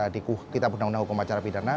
di kita undang undang hukum pacara pidana